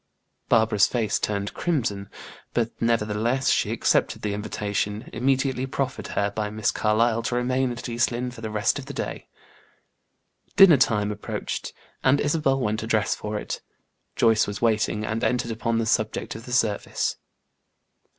Barbara's faced turned crimson; but nevertheless she accepted the invitation, immediately proffered her by Miss Carlyle to remain at East Lynne for the rest of the day. Dinner time approached, and Isabel went to dress for it. Joyce was waiting, and entered upon the subject of the service.